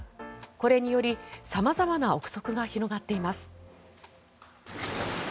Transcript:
これにより様々な臆測が広がっています。